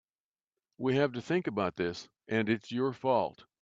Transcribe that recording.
We have to think about this and it 's your fault.